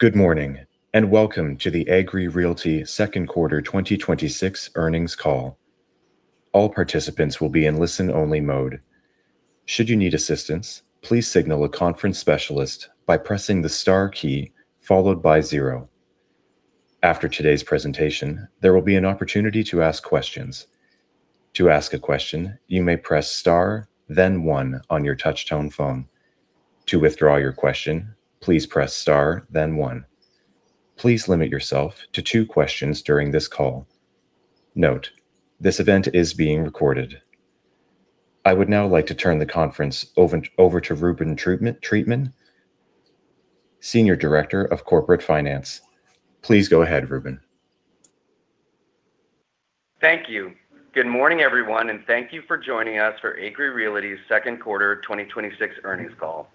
Good morning, and welcome to the Agree Realty Q2 2026 Earnings Call. All participants will be in listen only mode. Should you need assistance, please signal a conference specialist by pressing the star key followed by zero. After today's presentation, there will be an opportunity to ask questions. To ask a question, you may press star then one on your touch tone phone. To withdraw your question, please press star then one. Please limit yourself to two questions during this call. Note, this event is being recorded. I would now like to turn the conference over to Reuben Treatman, Senior Director of Corporate Finance. Please go ahead, Reuben. Thank you. Good morning, everyone and thank you for joining us for Agree Realty's Q2 2026 Earnings Call.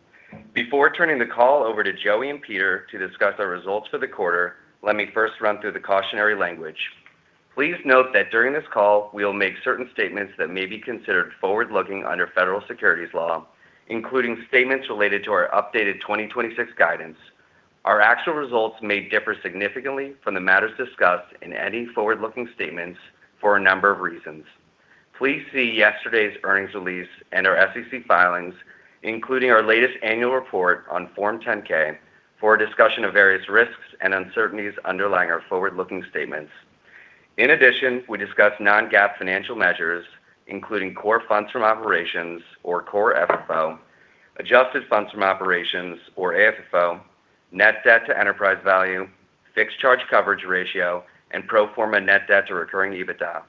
Before turning the call over to Joey and Peter to discuss our results for the quarter, let me first run through the cautionary language. Please note that during this call, we'll make certain statements that may be considered forward-looking under Federal Securities law, including statements related to our updated 2026 guidance. Our actual results may differ significantly from the matters discussed in any forward-looking statements for a number of reasons. Please see yesterday's earnings release and our SEC filings, including our latest annual report on Form 10-K for a discussion of various risks and uncertainties underlying our forward-looking statements. In addition, we discuss non-GAAP financial measures, including Core Funds From Operations or Core FFO, Adjusted Funds From Operations or AFFO, net debt to enterprise value, fixed charge coverage ratio, and pro forma net debt to recurring EBITDA.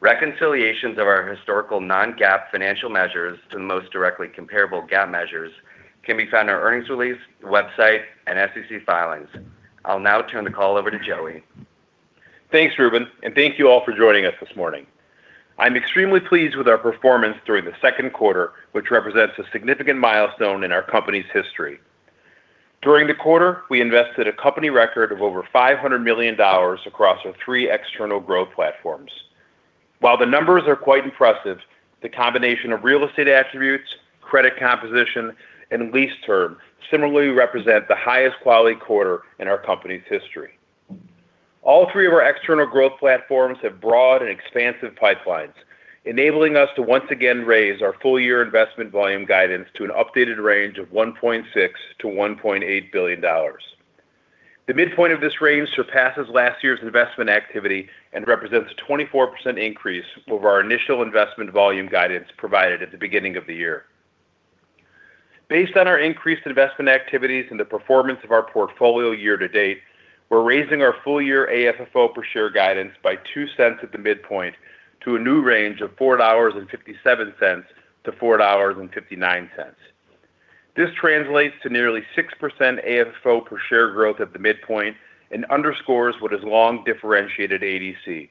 Reconciliations of our historical non-GAAP financial measures to the most directly comparable GAAP measures can be found in our earnings release, website, and SEC filings. I'll now turn the call over to Joey. Thanks, Reuben, and thank you all for joining us this morning. I'm extremely pleased with our performance during the Q2, which represents a significant milestone in our company's history. During the quarter, we invested a company record of over $500 million across our three external growth platforms. While the numbers are quite impressive, the combination of real estate attributes, credit composition, and lease terms similarly represent the highest quality quarter in our company's history. All three of our external growth platforms have broad and expansive pipelines, enabling us to once again raise our full year investment volume guidance to an updated range of $1.6 billion-$1.8 billion. The midpoint of this range surpasses last year's investment activity and represents a 24% increase over our initial investment volume guidance provided at the beginning of the year. Based on our increased investment activities and the performance of our portfolio year-to-date, we're raising our full year AFFO per share guidance by $0.02 at the midpoint to a new range of $4.57-$4.59. This translates to nearly 6% AFFO per share growth at the midpoint and underscores what has long differentiated ADC,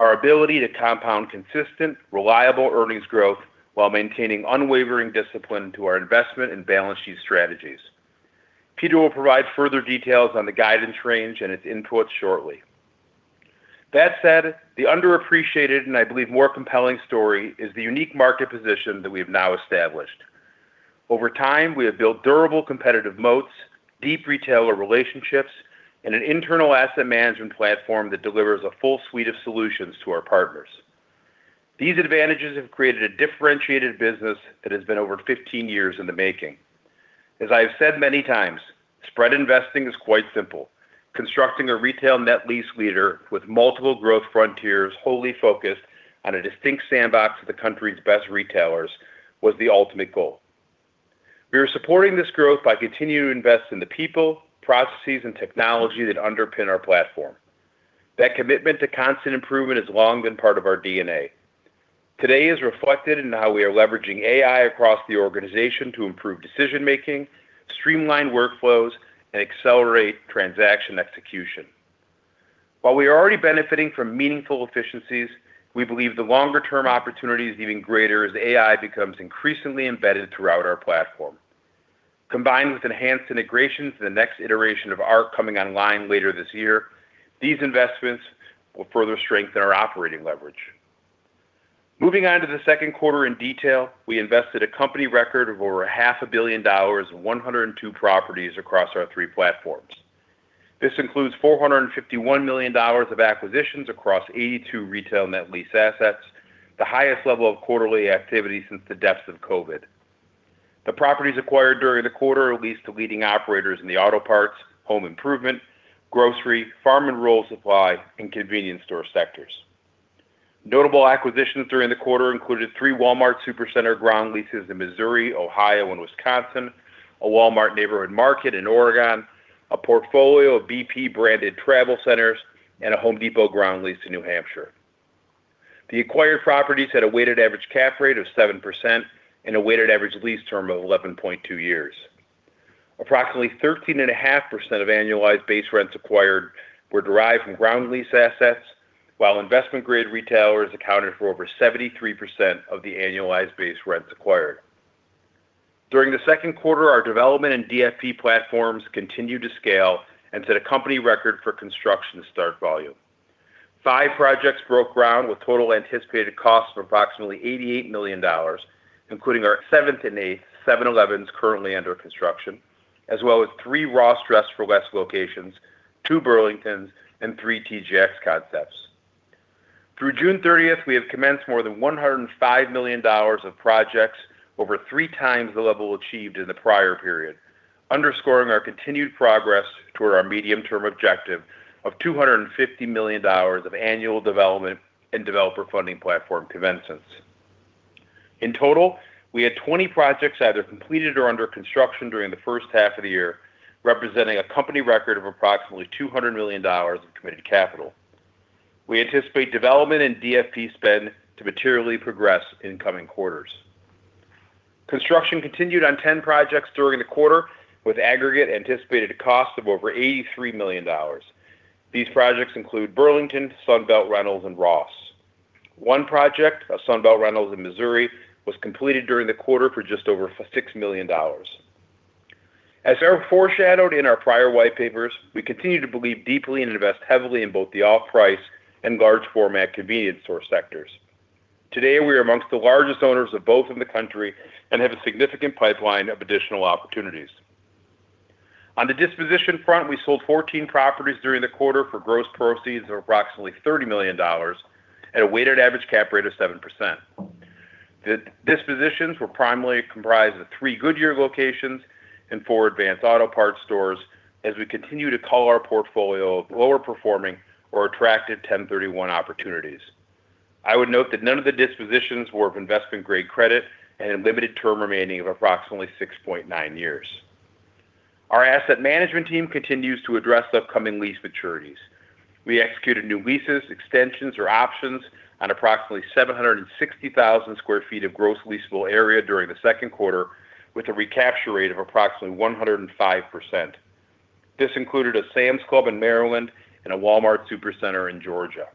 our ability to compound consistent, reliable earnings growth while maintaining unwavering discipline to our investment and balance sheet strategies. Peter will provide further details on the guidance range and its inputs shortly. That said, the underappreciated and I believe more compelling story, is the unique market position that we have now established. Over time, we have built durable competitive moats, deep retailer relationships, and an internal asset management platform that delivers a full suite of solutions to our partners. These advantages have created a differentiated business that has been over 15 years in the making. As I have said many times, spread investing is quite simple. Constructing a retail net lease leader with multiple growth frontiers wholly focused on a distinct sandbox of the country's best retailers was the ultimate goal. We are supporting this growth by continuing to invest in the people, processes, and technology that underpin our platform. That commitment to constant improvement has long been part of our DNA. Today, it's reflected in how we are leveraging AI across the organization to improve decision making, streamline workflows, and accelerate transaction execution. While we are already benefiting from meaningful efficiencies, we believe the longer term opportunity is even greater as AI becomes increasingly embedded throughout our platform. Combined with enhanced integrations and the next iteration of ARC coming online later this year, these investments will further strengthen our operating leverage. Moving on to the Q2 in detail, we invested a company record of over a half a billion dollars on 102 properties across our three platforms. This includes $451 million of acquisitions across 82 retail net lease assets, the highest level of quarterly activity since the depths of COVID. The properties acquired during the quarter are leased to leading operators in the auto parts, home improvement, grocery, farm and rural supply, and convenience store sectors. Notable acquisitions during the quarter included three Walmart Supercenter ground leases in Missouri, Ohio, and Wisconsin, a Walmart Neighborhood Market in Oregon, a portfolio of BP-branded travel centers, and a Home Depot ground lease in New Hampshire. The acquired properties had a weighted average cap rate of 7% and a weighted average lease term of 11.2 years. Approximately 13.5% of annualized base rents acquired were derived from ground lease assets, while investment grade retailers accounted for over 73% of the annualized base rents acquired. During the Q2, our development and DFP platforms continued to scale and set a company record for construction start volume. Five projects broke ground with total anticipated costs of approximately $88 million, including our seventh and eighth 7-Elevens currently under construction, as well as three Ross Dress for Less locations, two Burlingtons, and three TJX concepts. Through June 30th, we have commenced more than $105 million of projects, over three times the level achieved in the prior period, underscoring our continued progress toward our medium-term objective of $250 million of annual development and developer funding platform commencements. In total, we had 20 projects either completed or under construction during the first half of the year, representing a company record of approximately $200 million of committed capital. We anticipate development in DFP spend to materially progress in coming quarters. Construction continued on 10 projects during the quarter, with aggregate anticipated cost of over $83 million. These projects include Burlington, Sunbelt Rentals, and Ross. One project, a Sunbelt Rentals in Missouri, was completed during the quarter for just over $6 million. As foreshadowed in our prior white papers, we continue to believe deeply and invest heavily in both the off-price and large format convenience store sectors. Today, we are amongst the largest owners of both in the country and have a significant pipeline of additional opportunities. On the disposition front, we sold 14 properties during the quarter for gross proceeds of approximately $30 million at a weighted average cap rate of 7%. The dispositions were primarily comprised of three Goodyear locations and four Advance Auto Parts stores, as we continue to call our portfolio of lower performing or attractive 1031 opportunities. I would note that none of the dispositions were of investment-grade credit and had limited term remaining of approximately 6.9 years. Our asset management team continues to address upcoming lease maturities. We executed new leases, extensions, or options on approximately 760,000 sq ft of gross leasable area during the Q2, with a recapture rate of approximately 105%. This included a Sam's Club in Maryland and a Walmart Supercenter in Georgia.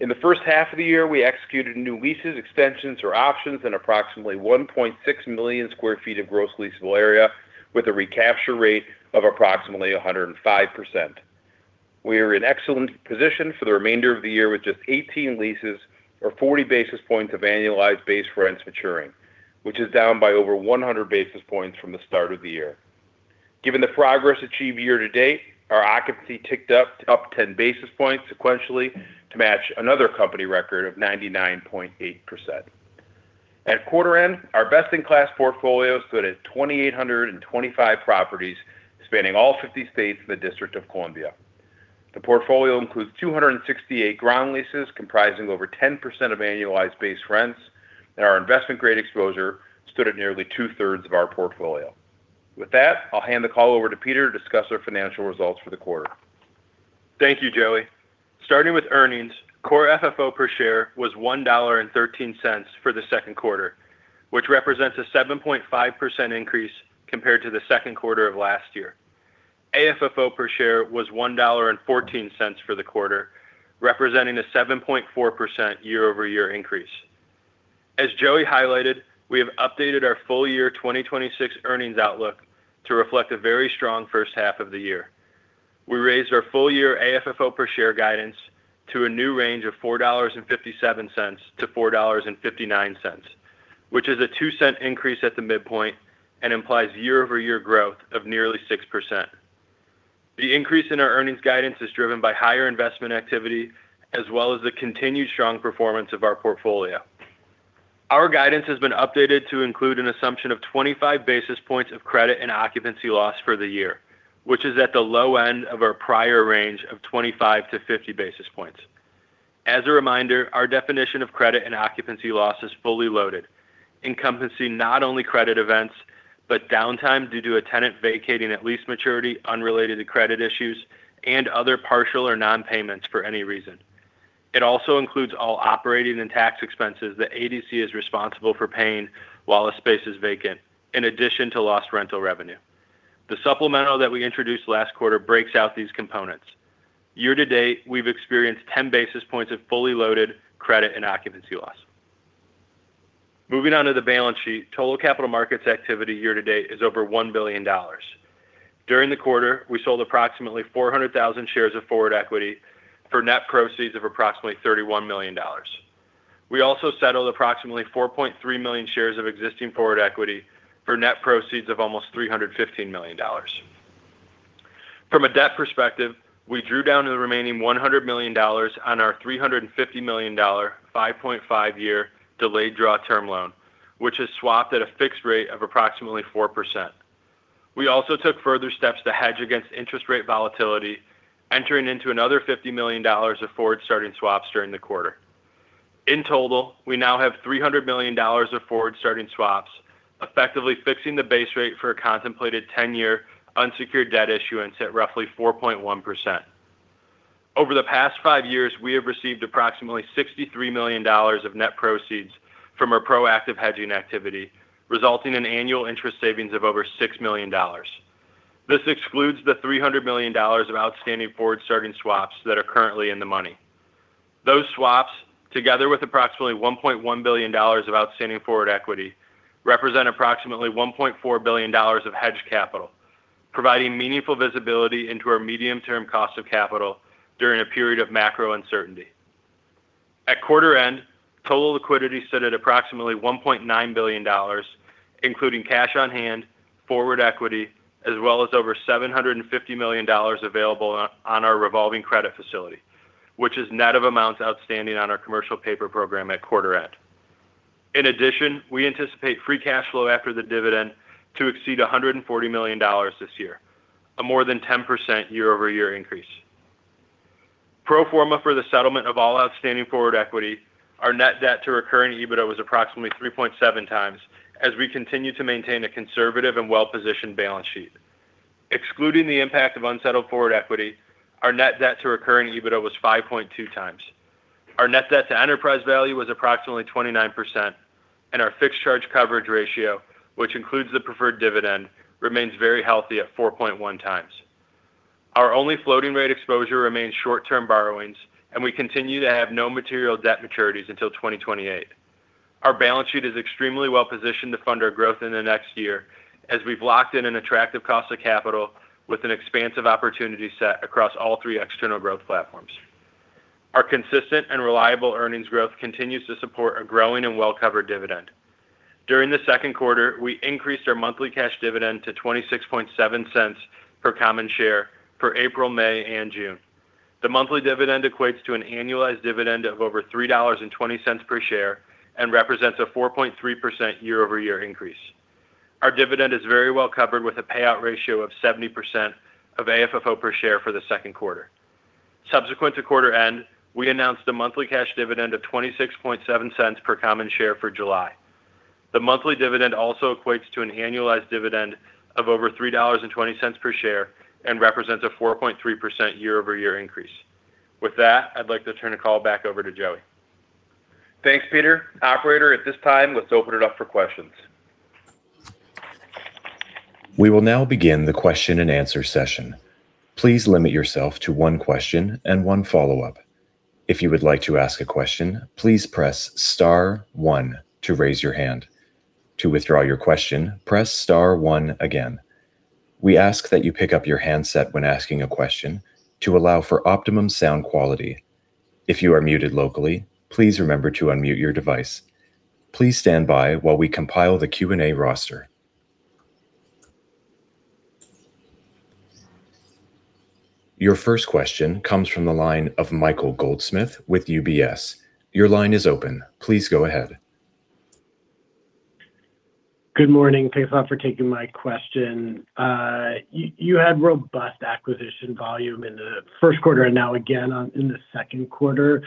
In the first half of the year, we executed new leases, extensions, or options in approximately 1.6 million sq ft of gross leasable area with a recapture rate of approximately 105%. We are in excellent position for the remainder of the year with just 18 leases or 40 basis points of annualized base rents maturing, which is down by over 100 basis points from the start of the year. Given the progress achieved year-to-date, our occupancy ticked up 10 basis points sequentially to match another company record of 99.8%. At quarter end, our best-in-class portfolio stood at 2,825 properties, spanning all 50 states and the District of Columbia. The portfolio includes 268 ground leases comprising over 10% of annualized base rents, and our investment-grade exposure stood at nearly two-thirds of our portfolio. With that, I'll hand the call over to Peter to discuss our financial results for the quarter. Thank you, Joey. Starting with earnings, Core FFO per share was $1.13 for the Q2, which represents a 7.5% increase compared to the Q2 of last year. AFFO per share was $1.14 for the quarter, representing a 7.4% year-over-year increase. As Joey highlighted, we have updated our full year 2026 earnings outlook to reflect a very strong first half of the year. We raised our full year AFFO per share guidance to a new range of $4.57-$4.59, which is a $0.02 increase at the midpoint and implies year-over-year growth of nearly 6%. The increase in our earnings guidance is driven by higher investment activity as well as the continued strong performance of our portfolio. Our guidance has been updated to include an assumption of 25 basis points of credit and occupancy loss for the year, which is at the low end of our prior range of 25-50 basis points. As a reminder, our definition of credit and occupancy loss is fully loaded, encompassing not only credit events, but downtime due to a tenant vacating at lease maturity unrelated to credit issues and other partial or non-payments for any reason. It also includes all operating and tax expenses that ARC is responsible for paying while a space is vacant, in addition to lost rental revenue. The supplemental that we introduced last quarter breaks out these components. Year-to-date, we've experienced 10 basis points of fully loaded credit and occupancy loss. Moving on to the balance sheet, total capital markets activity year-to-date is over $1 billion. During the quarter, we sold approximately 400,000 shares of forward equity for net proceeds of approximately $31 million. We also settled approximately 4.3 million shares of existing forward equity for net proceeds of almost $315 million. From a debt perspective, we drew down to the remaining $100 million on our $350 million 5.5-year delayed draw term loan, which is swapped at a fixed rate of approximately 4%. We also took further steps to hedge against interest rate volatility, entering into another $50 million of forward starting swaps during the quarter. In total, we now have $300 million of forward starting swaps, effectively fixing the base rate for a contemplated 10-year unsecured debt issuance at roughly 4.1%. Over the past five years, we have received approximately $63 million of net proceeds from our proactive hedging activity, resulting in annual interest savings of over $6 million. This excludes the $300 million of outstanding forward starting swaps that are currently in the money. Those swaps, together with approximately $1.1 billion of outstanding forward equity, represent approximately $1.4 billion of hedged capital. Providing meaningful visibility into our medium-term cost of capital during a period of macro uncertainty. At quarter end, total liquidity stood at approximately $1.9 billion, including cash on hand, forward equity, as well as over $750 million available on our revolving credit facility, which is net of amounts outstanding on our commercial paper program at quarter end. In addition, we anticipate free cash flow after the dividend to exceed $140 million this year, a more than 10% year-over-year increase. Pro forma for the settlement of all outstanding forward equity, our net debt to recurring EBITDA was approximately 3.7 times, as we continue to maintain a conservative and well-positioned balance sheet. Excluding the impact of unsettled forward equity, our net debt to recurring EBITDA was 5.2 times. Our net debt to enterprise value was approximately 29%, and our fixed charge coverage ratio, which includes the preferred dividend, remains very healthy at 4.1 times. Our only floating rate exposure remains short-term borrowings, and we continue to have no material debt maturities until 2028. Our balance sheet is extremely well-positioned to fund our growth in the next year, as we've locked in an attractive cost of capital with an expansive opportunity set across all three external growth platforms. Our consistent and reliable earnings growth continues to support a growing and well-covered dividend. During the Q2, we increased our monthly cash dividend to $26.7 per common share for April, May, and June. The monthly dividend equates to an annualized dividend of over $3.20 per share and represents a 4.3% year-over-year increase. Our dividend is very well covered with a payout ratio of 70% of AFFO per share for the Q2. Subsequent to quarter end, we announced a monthly cash dividend of $0.267 per common share for July. The monthly dividend also equates to an annualized dividend of over $3.20 per share and represents a 4.3% year-over-year increase. With that, I'd like to turn the call back over to Joey. Thanks, Peter. Operator, at this time, let's open it up for questions. We will now begin the question and answer session. Please limit yourself to one question and one follow-up. If you would like to ask a question, please press star one to raise your hand. To withdraw your question, press star one again. We ask that you pick up your handset when asking a question to allow for optimum sound quality. If you are muted locally, please remember to unmute your device. Please stand by while we compile the Q&A roster. Your first question comes from the line of Michael Goldsmith with UBS. Your line is open. Please go ahead. Good morning. Thanks a lot for taking my question. You had robust acquisition volume in the Q1, and now again in the Q2.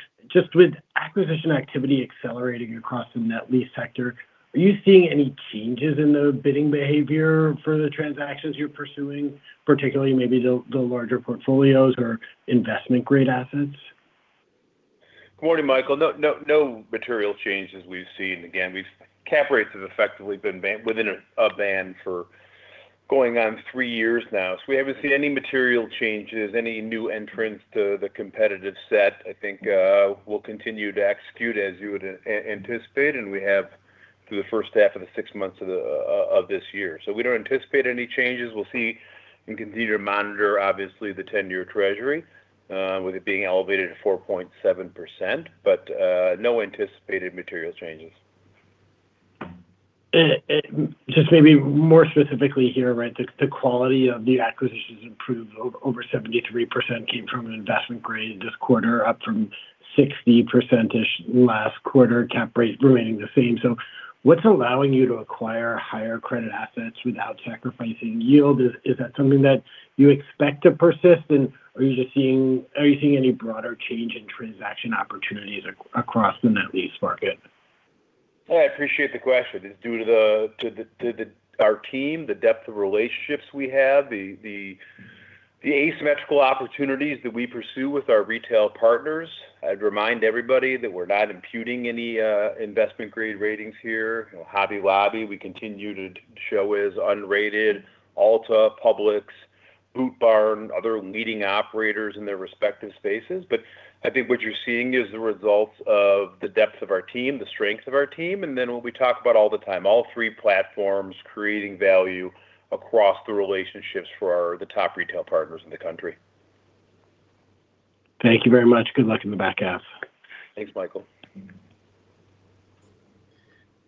With acquisition activity accelerating across the net lease sector, are you seeing any changes in the bidding behavior for the transactions you're pursuing, particularly maybe the larger portfolios or investment-grade assets? Good morning, Michael. No material changes we've seen. Cap rates have effectively been within a band for going on three years now. We haven't seen any material changes, any new entrants to the competitive set. I think we'll continue to execute as you would anticipate, and we have through the first half of the six months of this year. We don't anticipate any changes. We'll see and continue to monitor, obviously, the 10-year Treasury with it being elevated to 4.7%, but no anticipated material changes. Maybe more specifically here, the quality of the acquisitions improved. Over 73% came from an investment grade this quarter, up from 60%-ish last quarter, cap rates remaining the same. What's allowing you to acquire higher credit assets without sacrificing yield? Is that something that you expect to persist, and are you seeing any broader change in transaction opportunities across the net lease market? I appreciate the question. It's due to our team, the depth of relationships we have, the asymmetrical opportunities that we pursue with our retail partners. I'd remind everybody that we're not imputing any investment grade ratings here. Hobby Lobby, we continue to show as unrated. Ulta, Publix, Boot Barn, other leading operators in their respective spaces. I think what you're seeing is the results of the depth of our team, the strength of our team, and then what we talk about all the time, all three platforms creating value across the relationships for the top retail partners in the country. Thank you very much. Good luck in the back half. Thanks, Michael.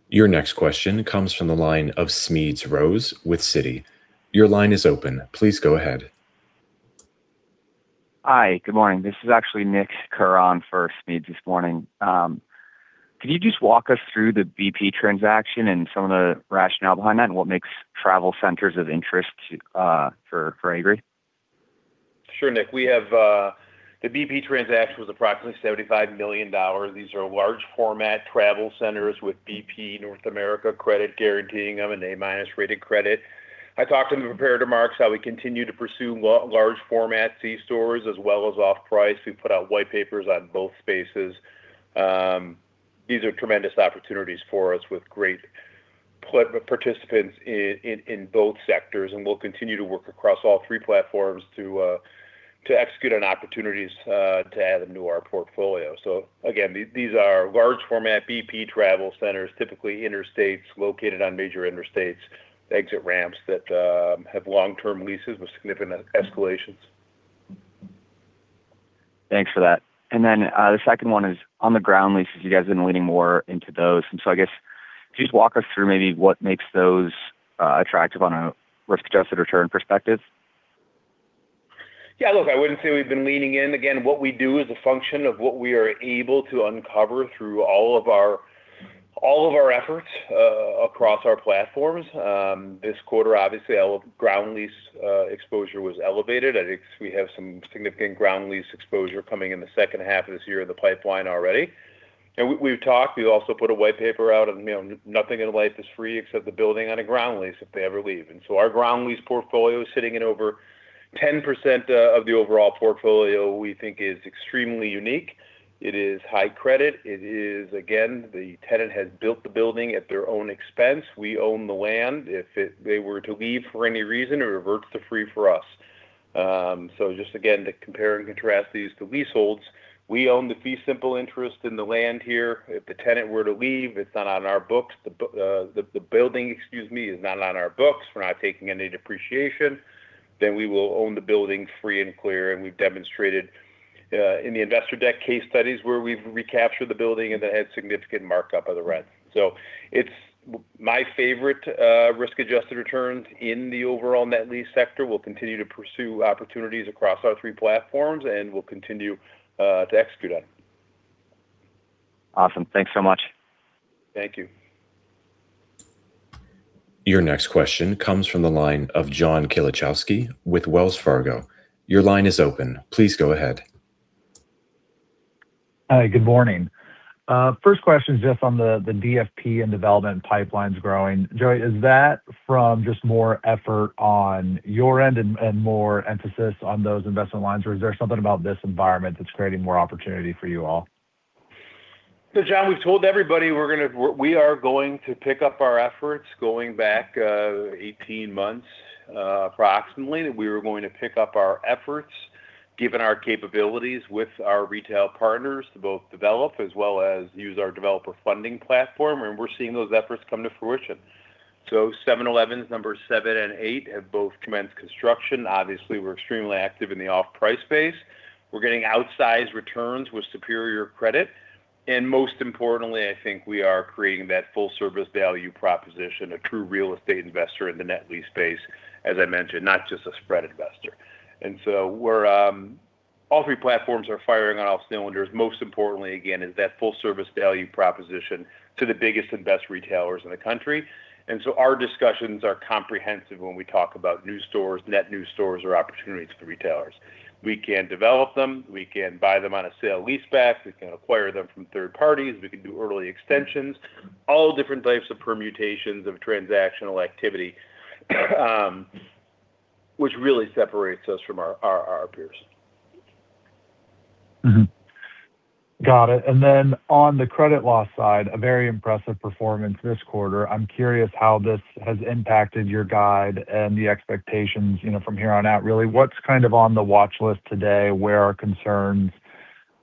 Your next question comes from the line of Smedes Rose with Citi. Your line is open. Please go ahead. Hi, good morning. This is actually Nick Curran for Smedes this morning. Can you just walk us through the BP transaction and some of the rationale behind that, and what makes travel centers of interest for Agree? Sure, Nick. The BP transaction was approximately $75 million. These are large format travel centers with BP North America credit guaranteeing them an A-minus rated credit. I talked in the prepared remarks how we continue to pursue large format C stores as well as off-price. We put out white papers on both spaces. These are tremendous opportunities for us with great participants in both sectors, and we'll continue to work across all three platforms to execute on opportunities to add them to our portfolio. Again, these are large format BP travel centers, typically interstates located on major interstates, exit ramps that have long-term leases with significant escalations. Thanks for that. The second one is on the ground leases; you guys have been leaning more into those. I guess just walk us through maybe what makes those attractive on a risk-adjusted return perspective. Yeah, look, I wouldn't say we've been leaning in. Again, what we do is a function of what we are able to uncover through all of our efforts across our platforms. This quarter, obviously, our ground lease exposure was elevated. I think we have some significant ground lease exposure coming in the second half of this year in the pipeline already. We've talked, we also put a white paper out of, nothing in life is free except the building on a ground lease if they ever leave. Our ground lease portfolio is sitting at over 10% of the overall portfolio, we think is extremely unique. It is high credit. It is, again, the tenant has built the building at their own expense. We own the land. If they were to leave for any reason, it reverts to free for us. Just again, to compare and contrast these to leaseholds, we own the fee simple interest in the land here. If the tenant were to leave, it's not on our books. The building, excuse me, is not on our books. We're not taking any depreciation. We will own the building free and clear, and we've demonstrated in the investor deck case studies where we've recaptured the building and that had significant markup of the rent. It's my favorite risk-adjusted returns in the overall net lease sector. We'll continue to pursue opportunities across our three platforms, and we'll continue to execute on them. Awesome. Thanks so much. Thank you. Your next question comes from the line of John Kilichowski with Wells Fargo. Your line is open. Please go ahead. Hi. Good morning. First question is just on the DFP and development pipelines growing. Joey, is that from just more effort on your end and more emphasis on those investment lines? Or is there something about this environment that's creating more opportunity for you all? John, we've told everybody we are going to pick up our efforts going back 18 months, approximately, that we were going to pick up our efforts given our capabilities with our retail partners to both develop as well as use our developer funding platform. We're seeing those efforts come to fruition. 7-Eleven's number seven and eight have both commenced construction. Obviously, we're extremely active in the off-price space. We're getting outsized returns with superior credit. Most importantly, I think we are creating that full-service value proposition, a true real estate investor in the net lease space, as I mentioned, not just a spread investor. All three platforms are firing on all cylinders. Most importantly, again, is that full-service value proposition to the biggest and best retailers in the country. Our discussions are comprehensive when we talk about new stores, net new stores, or opportunities for retailers. We can develop them, we can buy them on a sale-leaseback, we can acquire them from third parties, we can do early extensions. All different types of permutations of transactional activity, which really separates us from our peers. Got it. On the credit loss side, a very impressive performance this quarter. I'm curious how this has impacted your guide and the expectations from here on out, really. What's kind of on the watch list today? Where are concerns?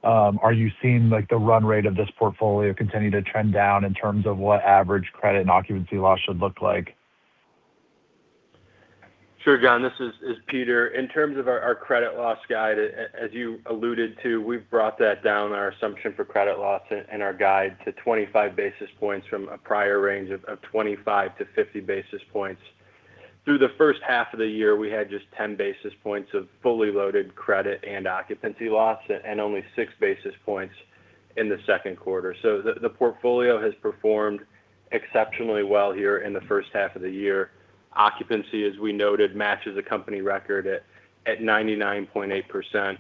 Are you seeing the run rate of this portfolio continue to trend down in terms of what average credit and occupancy loss should look like? Sure, John. This is Peter. In terms of our credit loss guide, as you alluded to, we've brought that down, our assumption for credit loss and our guide to 25 basis points from a prior range of 25-50 basis points. Through the first half of the year, we had just 10 basis points of fully loaded credit and occupancy loss, and only six basis points in the Q2. The portfolio has performed exceptionally well here in the first half of the year. Occupancy, as we noted, matches a company record at 99.8%.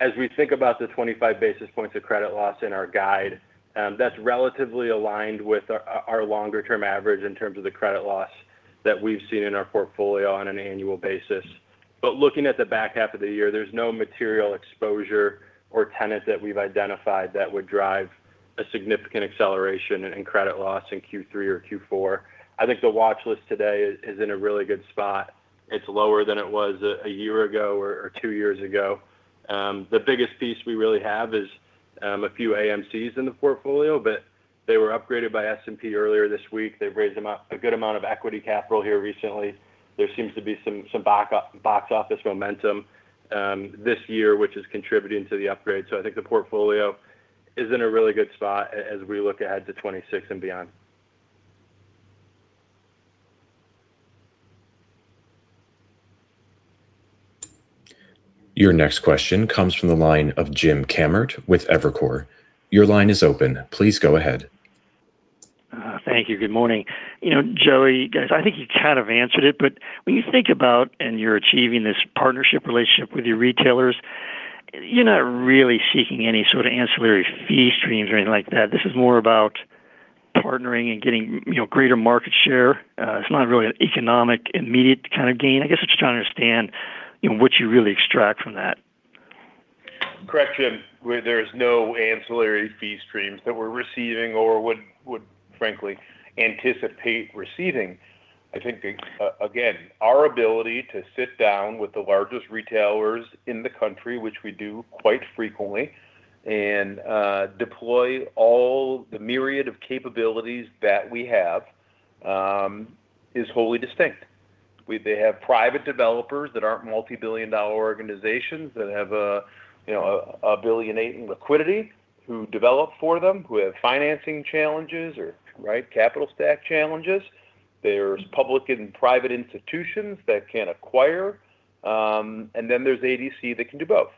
As we think about the 25 basis points of credit loss in our guide, that's relatively aligned with our longer-term average in terms of the credit loss that we've seen in our portfolio on an annual basis. Looking at the back half of the year, there's no material exposure or tenant that we've identified that would drive a significant acceleration in credit loss in Q3 or Q4. I think the watch list today is in a really good spot. It's lower than it was one year ago or two years ago. The biggest piece we really have is a few AMCs in the portfolio, they were upgraded by S&P earlier this week. They've raised a good amount of equity capital here recently. There seems to be some box office momentum this year, which is contributing to the upgrade. I think the portfolio is in a really good spot as we look ahead to 2026 and beyond. Your next question comes from the line of James Kammert with Evercore. Your line is open. Please go ahead. Thank you. Good morning. Joey, guys, I think you kind of answered it, when you think about this partnership relationship with your retailers, you're not really seeking any sort of ancillary fee streams or anything like that. This is more about partnering and getting greater market share. It's not really an economic immediate kind of gain. I guess I'm just trying to understand what you really extract from that. Correction, where there is no ancillary fee streams that we're receiving or would frankly anticipate receiving. I think, again, our ability to sit down with the largest retailers in the country, which we do quite frequently, and deploy all the myriads of capabilities that we have is wholly distinct. They have private developers that aren't multi-billion-dollar organizations that have $1 billion in liquidity who develop for them, who have financing challenges or capital stack challenges. There's public and private institutions that can acquire, there's ADC that can do both.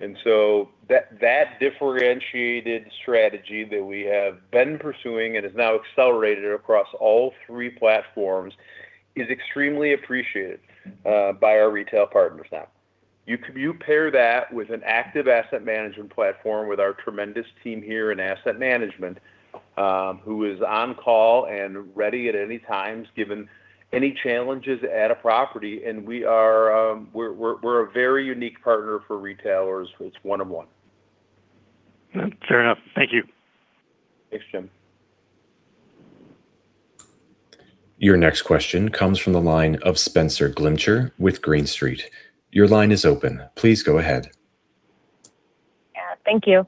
That differentiated strategy that we have been pursuing and is now accelerated across all three platforms is extremely appreciated by our retail partners now. You pair that with an active asset management platform with our tremendous team here in asset management, who is on call and ready at any times, given any challenges at a property, and we're a very unique partner for retailers. It's one on one. Fair enough. Thank you. Thanks, Jim. Your next question comes from the line of Spenser Glimcher with Green Street. Your line is open. Please go ahead. Thank you.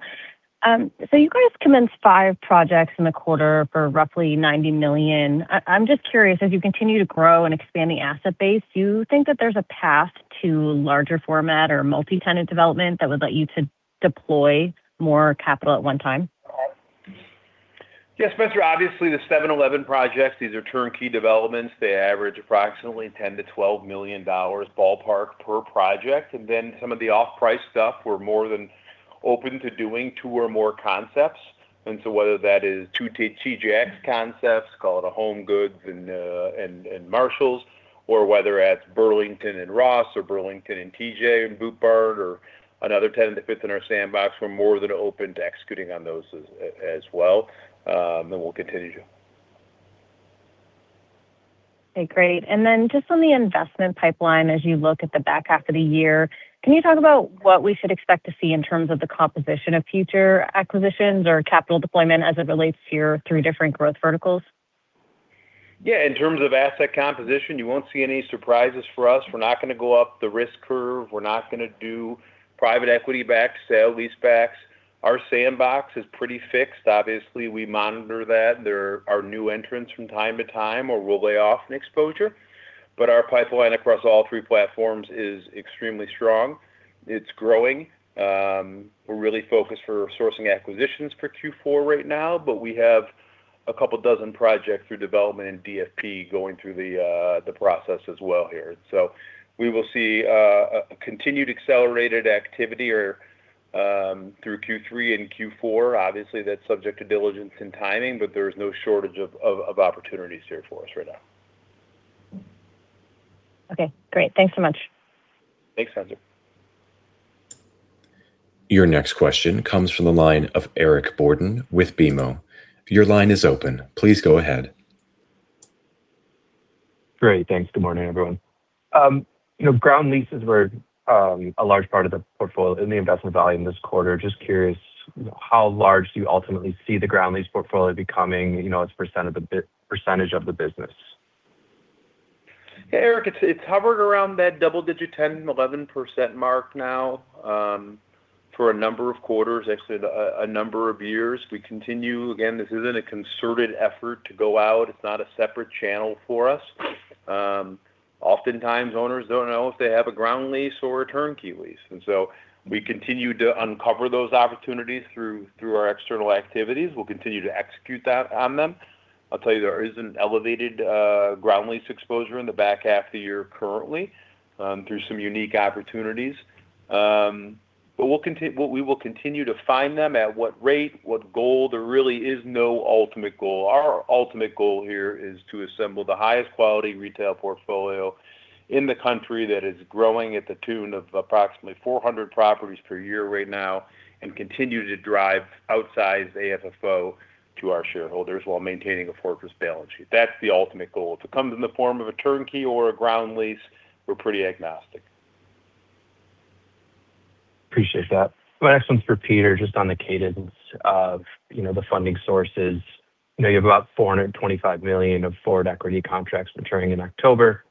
You guys commenced five projects in the quarter for roughly $90 million. I'm just curious, as you continue to grow and expand the asset base, do you think that there's a path to larger format or multi-tenant development that would let you to deploy more capital at one time? Yeah, Spenser, obviously, the 7-Eleven projects, these are turnkey developments. They average approximately $10 million-$12 million ballpark per project. Some of the off-price stuff, we're more than open to doing two or more concepts. Whether that is two TJX concepts, call it a HomeGoods and Marshalls, or whether that's Burlington and Ross or Burlington and TJ and Boot Barn or another tenant that fits in our sandbox, we're more than open to executing on those as well. We'll continue to. Okay, great. Just on the investment pipeline, as you look at the back half of the year, can you talk about what we should expect to see in terms of the composition of future acquisitions or capital deployment as it relates to your three different growth verticals? Yeah. In terms of asset composition, you won't see any surprises for us. We're not going to go up the risk curve. We're not going to do private equity backed sale lease backs. Our sandbox is pretty fixed. Obviously, we monitor that. There are new entrants from time to time, or we'll lay off an exposure. Our pipeline across all three platforms is extremely strong. It's growing. We're really focused for sourcing acquisitions for Q4 right now, but we have a couple dozen projects through development and DFP going through the process as well here. We will see a continued accelerated activity through Q3 and Q4. Obviously, that's subject to diligence and timing, but there is no shortage of opportunities here for us right now. Okay, great. Thanks so much. Thanks, Spenser. Your next question comes from the line of Eric Borden with BMO. Your line is open. Please go ahead. Great, thanks. Good morning, everyone. Ground leases were a large part of the portfolio in the investment volume this quarter. Just curious, how large do you ultimately see the ground lease portfolio becoming as percentage of the business? Hey, Eric, it's hovered around that double digit, 10%, 11% mark now for a number of quarters, actually a number of years. We continue, again, this isn't a concerted effort to go out. It's not a separate channel for us. Oftentimes, owners don't know if they have a ground lease or a turnkey lease. We continue to uncover those opportunities through our external activities. We'll continue to execute that on them. I'll tell you, there is an elevated ground lease exposure in the back half of the year currently through some unique opportunities. We will continue to find them. At what rate, what goal? There really is no ultimate goal. Our ultimate goal here is to assemble the highest quality retail portfolio in the country that is growing at the tune of approximately 400 properties per year right now and continue to drive outsized AFFO to our shareholders while maintaining a fortress balance sheet. That's the ultimate goal. If it comes in the form of a turnkey or a ground lease, we're pretty agnostic. Appreciate that. My next one's for Peter, just on the cadence of the funding sources. You have about $425 million of forward equity contracts maturing in October.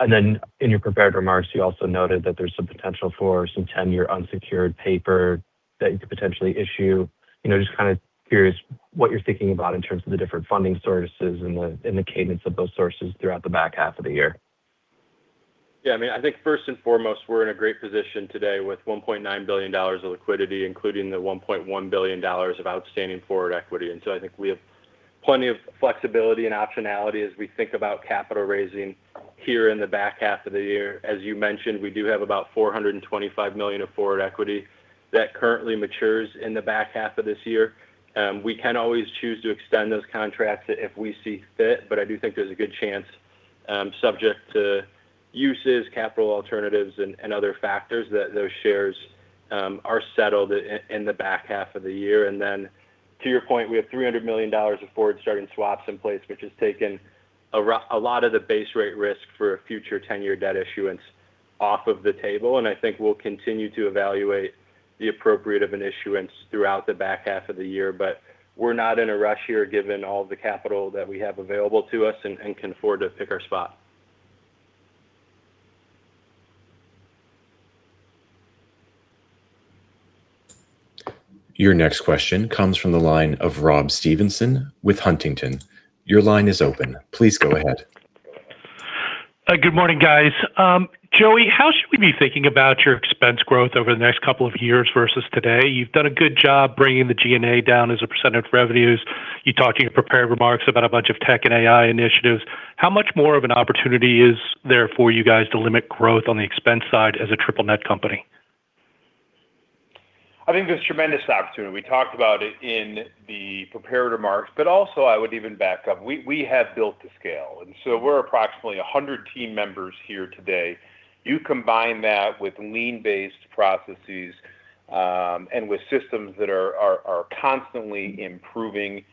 In your prepared remarks, you also noted that there's some potential for some 10-year unsecured paper that you could potentially issue. Just kind of curious what you're thinking about in terms of the different funding sources and the cadence of those sources throughout the back half of the year. Yeah, I think first and foremost, we're in a great position today with $1.9 billion of liquidity, including the $1.1 billion of outstanding forward equity. I think we have plenty of flexibility and optionality as we think about capital raising here in the back half of the year. As you mentioned, we do have about $425 million of forward equity that currently matures in the back half of this year. We can always choose to extend those contracts if we see fit, but I do think there's a good chance, subject to uses, capital alternatives, and other factors, that those shares are settled in the back half of the year. To your point, we have $300 million of forward starting swaps in place, which has taken a lot of the base rate risk for future tenor debt issuance off of the table, and I think we'll continue to evaluate the appropriate of an issuance throughout the back half of the year. We're not in a rush here, given all the capital that we have available to us and can afford to pick our spot. Your next question comes from the line of Rob Stevenson with Huntington. Your line is open. Please go ahead. Good morning, guys. Joey, how should we be thinking about your expense growth over the next couple of years versus today? You've done a good job bringing the G&A down as a percent of revenues. You talked in your prepared remarks about a bunch of tech and AI initiatives. How much more of an opportunity is there for you guys to limit growth on the expense side as a triple net company? I think there's tremendous opportunity. We talked about it in the prepared remarks. Also, I would even back up, we have built to scale, we're approximately 100 team members here today. You combine that with lean-based processes, and with systems that are constantly improving,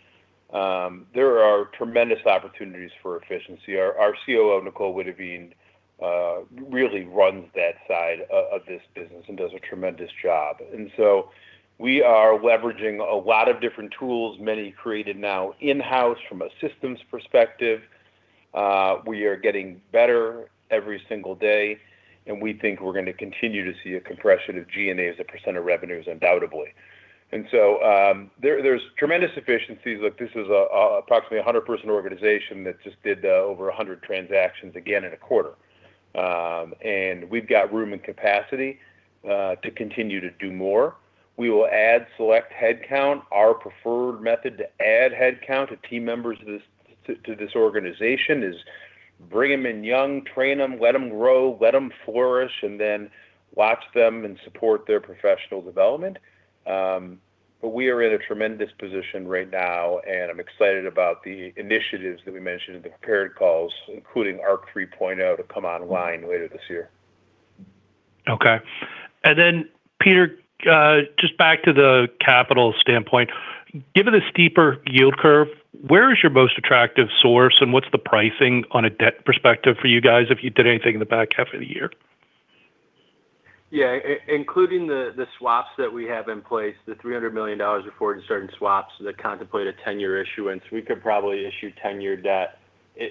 there are tremendous opportunities for efficiency. Our COO, Nicole Witteveen, really runs that side of this business and does a tremendous job. We are leveraging a lot of different tools; many created now in-house from a systems perspective. We are getting better every single day, and we think we're going to continue to see a compression of G&A as a percent of revenues, undoubtedly. There's tremendous efficiencies. Look, this is approximately 100-person organization that just did over 100 transactions again in a quarter. We've got room and capacity to continue to do more. We will add select headcount. Our preferred method to add headcount to team members to this organization is bring them in young, train them, let them grow, let them flourish, and then watch them and support their professional development. We are in a tremendous position right now, and I'm excited about the initiatives that we mentioned in the prepared calls, including ARC 3.0 to come online later this year. Okay. Then Peter, just back to the capital standpoint. Given the steeper yield curve, where is your most attractive source and what's the pricing on a debt perspective for you guys if you did anything in the back half of the year? Yeah. Including the swaps that we have in place, the $300 million of forward in certain swaps that contemplate a ten-year issuance, we could probably issue ten-year debt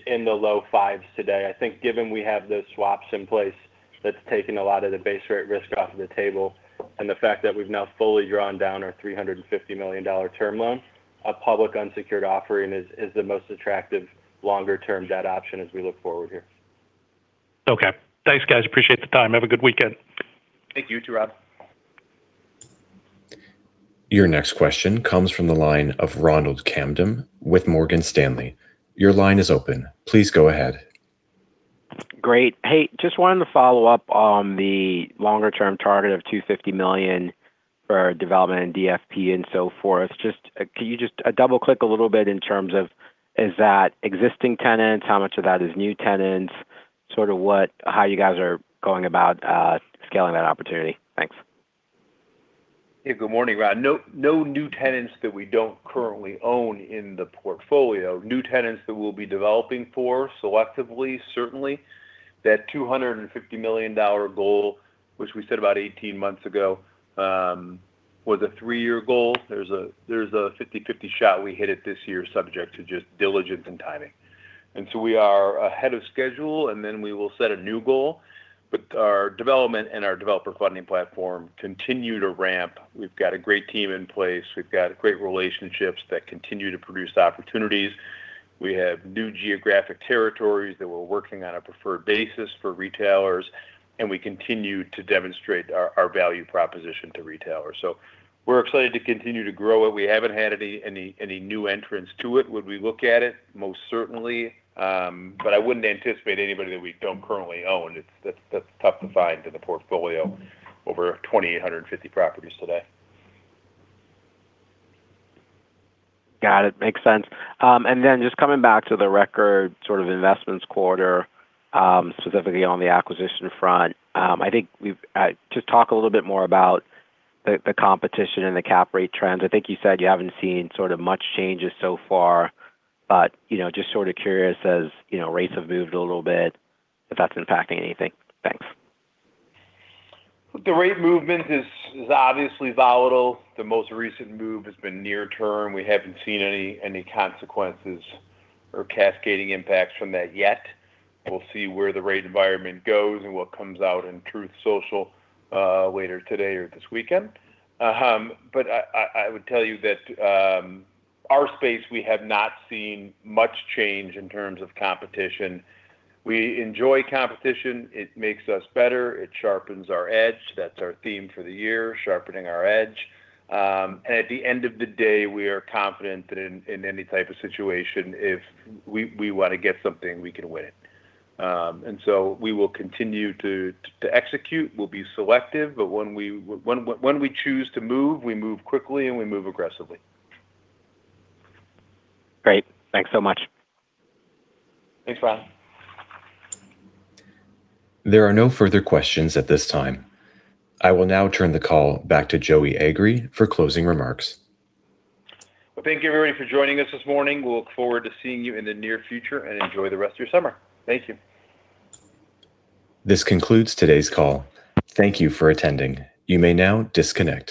in the low fives today. I think given we have the swaps in place, that's taken a lot of the base rate risk off of the table. The fact that we've now fully drawn down our $350 million term loan, a public unsecured offering is the most attractive longer term debt option as we look forward here. Okay. Thanks, guys. Appreciate the time. Have a good weekend. Thank you. You too, Rob. Your next question comes from the line of Ronald Kamdem with Morgan Stanley. Your line is open. Please go ahead. Great. Hey, just wanted to follow up on the longer term target of $250 million for development in DFP and so forth. Can you just double-click a little bit in terms of, is that existing tenants? How much of that is new tenants? Sort of how you guys are going about scaling that opportunity. Thanks. Yeah. Good morning, Ronald. No new tenants that we don't currently own in the portfolio. New tenants that we'll be developing for selectively, certainly. That $250 million goal, which we set about 18 months ago, was a three-year goal. There's a 50/50 shot we hit it this year, subject to just diligence and timing. We are ahead of schedule, we will set a new goal. Our development and our Developer Funding Platform continue to ramp. We've got a great team in place. We've got great relationships that continue to produce opportunities. We have new geographic territories that we're working on a preferred basis for retailers, and we continue to demonstrate our value proposition to retailers. We're excited to continue to grow it. We haven't had any new entrants to it. Would we look at it? Most certainly. I wouldn't anticipate anybody that we don't currently own. That's tough to find in the portfolio, over 2,850 properties today. Got it. Makes sense. Then just coming back to the record sort of investments quarter, specifically on the acquisition front. Just talk a little bit more about the competition and the cap rate trends. I think you said you haven't seen sort of much changes so far, but just sort of curious as rates have moved a little bit, if that's impacting anything. Thanks. Look, the rate movement is obviously volatile. The most recent move has been near term. We haven't seen any consequences or cascading impacts from that yet. We'll see where the rate environment goes and what comes out in Truth Social later today or this weekend. I would tell you that our space, we have not seen much change in terms of competition. We enjoy competition. It makes us better. It sharpens our edge. That's our theme for the year, sharpening our edge. At the end of the day, we are confident that in any type of situation, if we want to get something, we can win it. So, we will continue to execute. We'll be selective. When we choose to move, we move quickly and we move aggressively. Great. Thanks so much. Thanks, Ronald. There are no further questions at this time. I will now turn the call back to Joey Agree for closing remarks. Well, thank you, everybody, for joining us this morning. We'll look forward to seeing you in the near future. Enjoy the rest of your summer. Thank you. This concludes today's call. Thank you for attending. You may now disconnect.